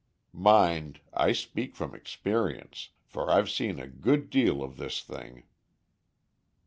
Mind, I speak from experience, for I've seen a good deal of this thing.